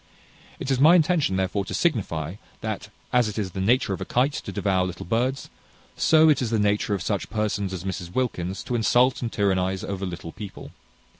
It is my intention, therefore, to signify, that, as it is the nature of a kite to devour little birds, so is it the nature of such persons as Mrs Wilkins to insult and tyrannize over little people.